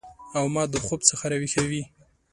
او ما د خوب څخه راویښوي